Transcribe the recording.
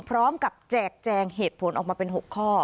พร้อมกับแจกแจงเหตุผลออกมาเป็น๖ข้อ